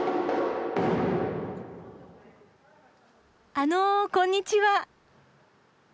あのこんにちは。